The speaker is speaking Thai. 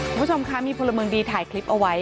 คุณผู้ชมคะมีพลเมืองดีถ่ายคลิปเอาไว้